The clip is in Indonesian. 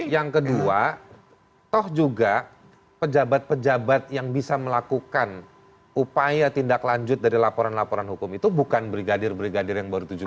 yang kedua toh juga pejabat pejabat yang bisa melakukan upaya tindak lanjut dari laporan laporan hukum itu bukan brigadir brigadir yang baru tujuh bulan